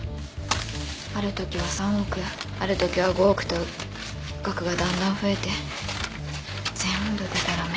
あるときは３億あるときは５億と額がだんだん増えて全部でたらめ。